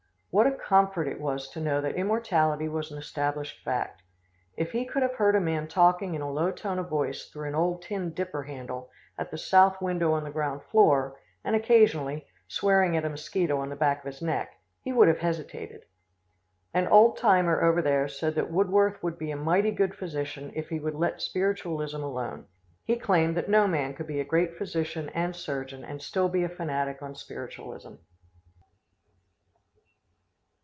What a comfort it was to know that immortality was an established fact. If he could have heard a man talking in a low tone of voice through an old tin dipper handle, at the south window on the ground floor, and occasionally swearing at a mosquito on the back of his neck, he would have hesitated. An old timer over there said that Woodworth would be a mighty good physician if he would let spiritualism alone. He claimed that no man could be a great physician and surgeon and still be a fanatic on spiritualism.